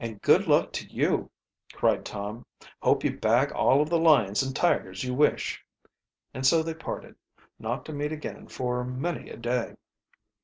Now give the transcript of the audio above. "And good luck to you!" cried Tom. "Hope you bag all of the lions and tigers you wish," and so they parted, not to meet again for many a day.